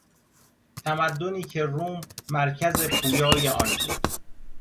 تمدنی که روم مرکز پویای آن بود